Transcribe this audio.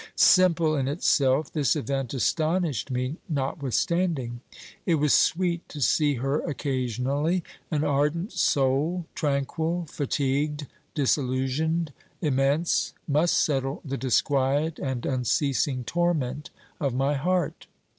Simple in itself, this event astonished me notwithstanding. It was sweet to see her occasionally. An ardent soul, tranquil, fatigued, disillusionised, immense, must settle the disquiet and unceasing torment of my heart.